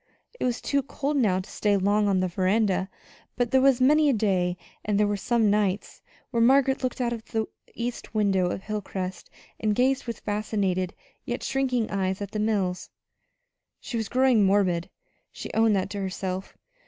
It was too cold now to stay long on the veranda; but there was many a day, and there were some nights, when Margaret looked out of the east windows of Hilcrest and gazed with fascinated, yet shrinking eyes at the mills. She was growing morbid she owned that to herself.